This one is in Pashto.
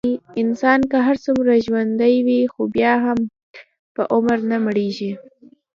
انسان که هرڅومره ژوندی وي، خو بیا هم په عمر نه مړېږي.